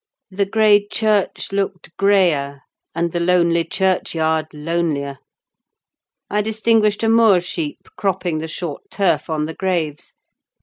The grey church looked greyer, and the lonely churchyard lonelier. I distinguished a moor sheep cropping the short turf on the graves.